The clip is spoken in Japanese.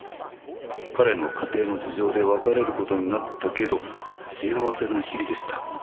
「彼の家庭の事情で別れることになったけど幸せな日々でした」